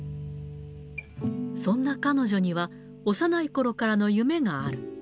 そんな彼女には幼いころからの夢がある。